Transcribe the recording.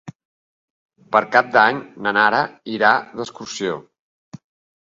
Per Cap d'Any na Nara irà d'excursió.